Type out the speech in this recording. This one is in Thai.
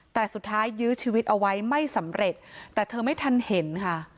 แต่สุดท้ายยื้อชีวิตเอาไว้ไม่สำเร็จแต่เธอไม่ทันเห็นค่ะ